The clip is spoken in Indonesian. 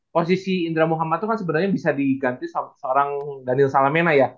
posisi indra muhammad itu kan sebenarnya bisa diganti seorang daniel salamena ya